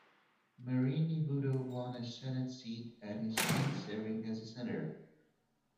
Marini Bodho won a senate seat and is since serving as a senator.